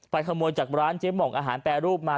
ขโมยจากร้านเจ๊หม่องอาหารแปรรูปมา